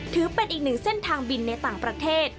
ถือเป็นอีกหนึ่งเส้นทางบินในต่างประเทศ